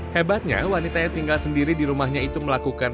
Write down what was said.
hebatnya wanita yang tinggal sendiri di rumahnya itu melakukan